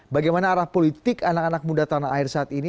bagaimana arah politik anak anak muda tanah air saat ini